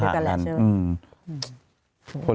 น่าจะผ่านกัน